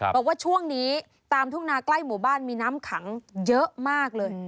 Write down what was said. บอกว่าช่วงนี้ตามทุ่งนาใกล้หมู่บ้านมีน้ำขังเยอะมากเลย